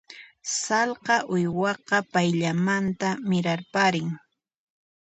Sallqa uywaqa payllamanta mirarparin.